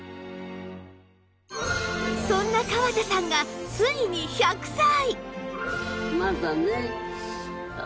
そんな川田さんがついに１００歳！